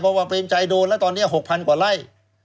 เพราะว่าเปรมชัยโดนแล้วตอนนี้๖๐๐กว่าไร่